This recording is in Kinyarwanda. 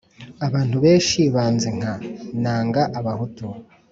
abantu benshi banzi nka “nanga abahutu